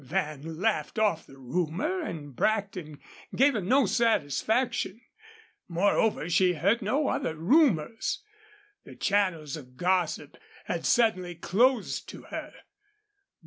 Van laughed off the rumor and Brackton gave her no satisfaction. Moreover, she heard no other rumors. The channels of gossip had suddenly closed to her.